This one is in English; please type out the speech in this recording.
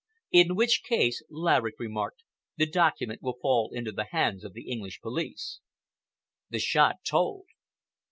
"In which case," Laverick remarked, "the document will fall into the hands of the English police." The shot told.